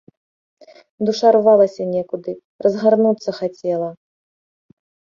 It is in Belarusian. Душа рвалася некуды, разгарнуцца хацела.